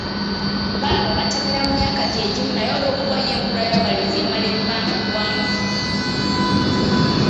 Baba batemera mu myaka gye gimu naye olw'okuba yo enkula y'abalenzi emala ebbanga ggwanvu.